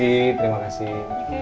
iya terima kasih